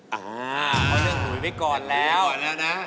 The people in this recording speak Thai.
อ๋อเพราะเรื่องหลุยไปก่อนแล้วไปก่อนแล้วนะ